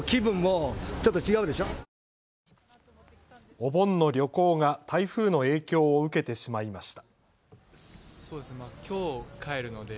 お盆の旅行が台風の影響を受けてしまいました。